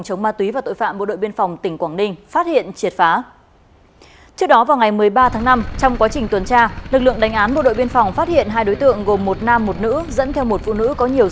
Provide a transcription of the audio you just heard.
xin chào và hẹn gặp lại